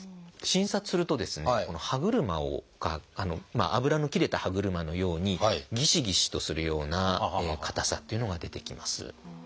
診察すると歯車が油の切れた歯車のようにギシギシとするような硬さっていうのが出てきます。